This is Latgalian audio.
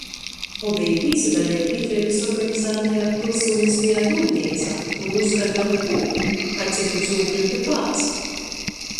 Obeji pīsadaleja bīdreibys organizātajā pylsūniskajā dūmneicā, kur nūskaidroja tū, kaids ir jūs ūglekļa pāds.